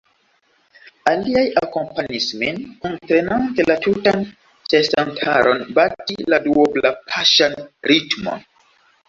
Aliaj akompanis min, kuntrenante la tutan ĉeestantaron bati la duoblapaŝan ritmon.